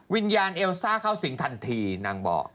วิญญาณเอลซ่าเข้าสิงทันทีนางบอก